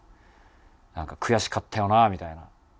悔しかったよなみたいな。